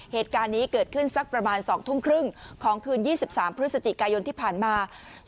เหตุการณ์นี้เกิดขึ้นสักประมาณ๒ทุ่มครึ่งของคืน๒๓พฤศจิกายนที่ผ่านมา